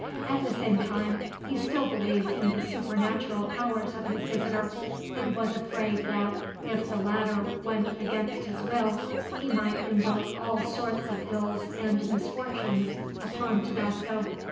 At the same time, he still believed in the supernatural powers of his visitor; and was afraid that, if the latter went against his will, he might invoke all sorts of ills and misfortunes upon Tabasco.